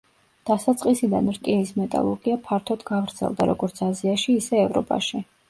დასაწყისიდან რკინის მეტალურგია ფართოდ გავრცელდა როგორც აზიაში, ისე ევროპაში.